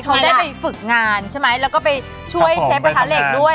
เขาได้ไปฝึกงานใช่ไหมแล้วก็ไปช่วยเชฟกระทะเหล็กด้วย